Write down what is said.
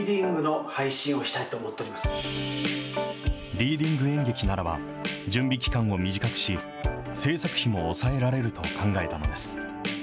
リーディング演劇ならば、準備期間を短くし、制作費も抑えられると考えたのです。